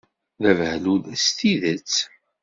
D abehlul s tidet!